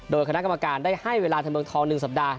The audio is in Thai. โดยคณะกรรมการได้ให้เวลาทำเมืองทอง๑สัปดาห